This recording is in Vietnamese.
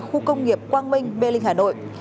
khu công nghiệp quang minh mê linh hà nội